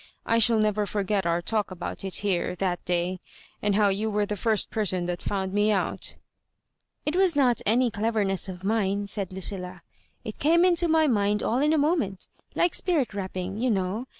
I shall never forget our talk about it JUere ihat day, and how you were the flrst person that found me out" "It was not any devemess of mine," said LudUa. *' It came into my mind all in a moment, like spirit^apiMng, you know.